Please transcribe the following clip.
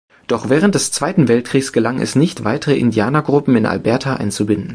Doch während des Zweiten Weltkriegs gelang es nicht, weitere Indianergruppen in Alberta einzubinden.